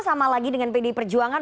sama lagi dengan pdi perjuangan